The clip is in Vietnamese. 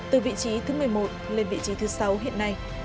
từ vị trí thứ một mươi một lên vị trí thứ sáu hiện nay